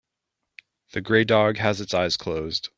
The gray dog has its eyes closed.